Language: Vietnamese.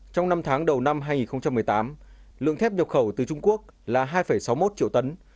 trong năm tháng đầu năm hai nghìn một mươi tám lượng thép nhập khẩu từ trung quốc là hai sáu mươi một triệu tấn